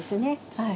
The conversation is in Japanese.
はい。